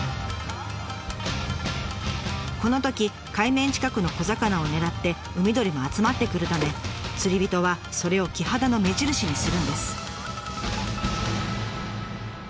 このとき海面近くの小魚を狙って海鳥も集まってくるため釣り人はそれをキハダの目印にするんです。